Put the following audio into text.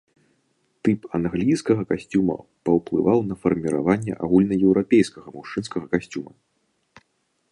Тып англійскага касцюма паўплываў на фарміраванне агульнаеўрапейскага мужчынскага касцюма.